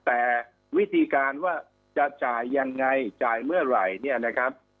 แต่วิธีการว่าจะจ่ายยังไงจ่ายเมื่อไหร่เนี่ยนะครับ